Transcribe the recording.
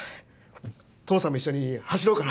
父さんも一緒に走ろうかな。